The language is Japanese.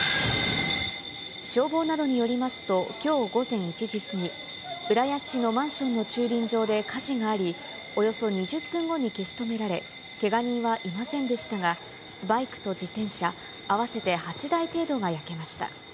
消防などによりますと、きょう午前１時過ぎ、浦安市のマンションの駐輪場で火事があり、およそ２０分後に消し止められ、けが人はいませんでしたが、バイクと自転車合わせて８台程度が焼けました。